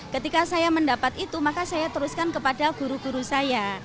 ketika saya mendapat itu maka saya teruskan kepada guru guru saya